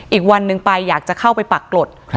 อีกวันหนึ่งไปอยากจะเข้าไปปรากฏ